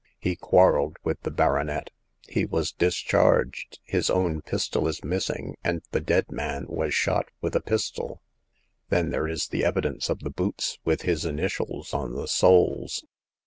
He quarreled with the baronet : he was dis charged. His own pistol is missing, and the dead man was shot with a pistol. Then there is the evidence of the boots with his initials on the soles.